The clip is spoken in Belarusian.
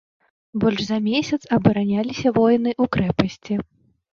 Больш за месяц абараняліся воіны ў крэпасці.